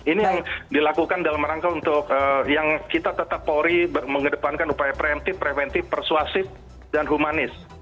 ini yang dilakukan dalam rangka untuk yang kita tetap polri mengedepankan upaya preventif preventif persuasif dan humanis